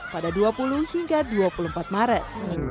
pada dua puluh hingga dua puluh empat maret